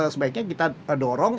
sebaiknya kita dorong